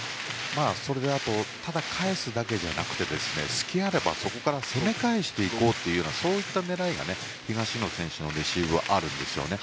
それで、あとただ返すだけじゃなくて隙があればそこから攻め返していこうというそういった狙いが東野選手のレシーブにはあるんですよね。